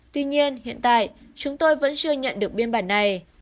tuy nhiên hiện tại chúng tôi vẫn chưa nhận được biên bản này